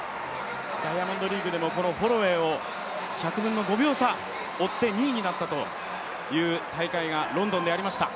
ダイヤモンドリーグでもこのホロウェイを１００分の５秒差、追って２位になったという大会がロンドンでありました。